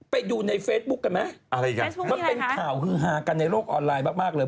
ไปดูในเฟซบุ๊คกันไหมอะไรกันใช่ไหมมันเป็นข่าวฮือฮากันในโลกออนไลน์มากเลย